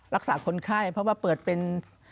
รักษาคนไข้เพราะว่าเปิดเป็น